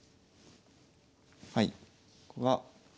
はい。